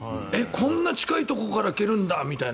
こんな近いところから蹴るんだみたいな。